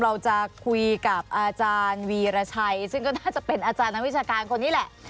เราจะคุยกับอาจารย์วีรชัยซึ่งก็น่าจะเป็นอาจารย์นักวิชาการคนนี้แหละ